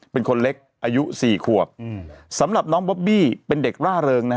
เป็นคนเล็กอายุสี่ขวบสำหรับน้องบอบบี้เป็นเด็กร่าเริงนะฮะ